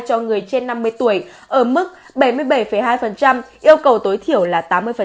cho người trên năm mươi tuổi ở mức bảy mươi bảy hai yêu cầu tối thiểu là tám mươi